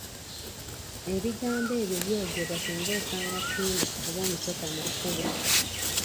Ebigambo ebyo byogerwa singa osanga ttimba oba omusota mu kkubo.